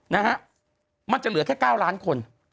นะฮะมันจะเหลือแค่๙ล้านคน